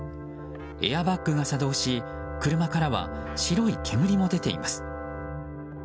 エアバッグが作動し車からは白い煙も出ています。